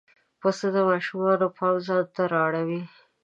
پسه د ماشومانو پام ځان ته را اړوي.